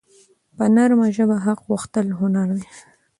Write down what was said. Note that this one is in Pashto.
په نرمه ژبه حق غوښتل هنر دی.